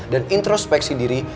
dan introspeksi diri